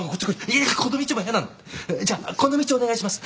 じゃあこの道お願いします。